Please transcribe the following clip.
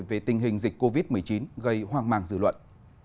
về tình hình dịch covid một mươi chín gây hoang mang dư luận